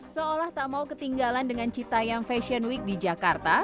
seolah tak mau ketinggalan dengan cita yang fashion week di jakarta